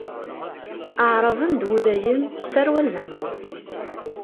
Aɛraben d Wudayen d tarwa n leɛmum.